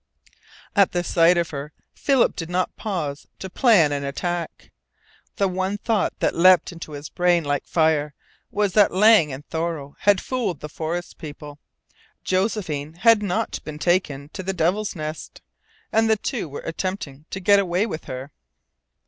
At sight of her Philip did not pause to plan an attack. The one thought that leapt into his brain like fire was that Lang and Thoreau had fooled the forest people Josephine had not been taken to the Devil's Nest, and the two were attempting to get away with her.